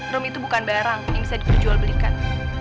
rung itu bukan barang yang bisa diperjualbelikan